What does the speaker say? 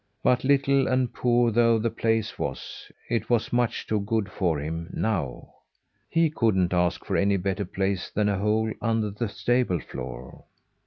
But little and poor though the place was, it was much too good for him now. He couldn't ask for any better place than a hole under the stable floor.